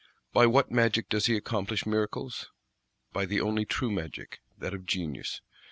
By what magic does he accomplish miracles? By the only true magic, that of genius.